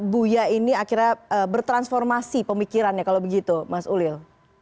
buya ini akhirnya bertransformasi pemikirannya kalau begitu mas ulil